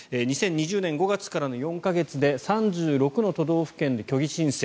２０２０年５月からの４か月で３６の都道府県で虚偽申請